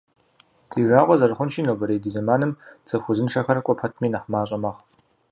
Ди жагъуэ зэрыхъунщи, нобэрей ди зэманым цӏыху узыншэхэр кӏуэ пэтми нэхъ мащӏэ мэхъу.